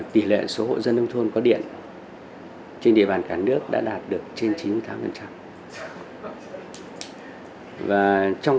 tỷ lệ số hộ dân nông thôn có điện trên địa bàn cả nước đã đạt được trên chín mươi tám